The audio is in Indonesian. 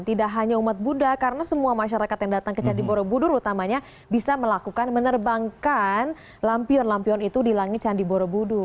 tidak hanya umat buddha karena semua masyarakat yang datang ke candi borobudur utamanya bisa melakukan menerbangkan lampion lampion itu di langit candi borobudur